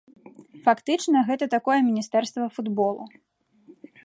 Фактычна гэта такое міністэрства футболу.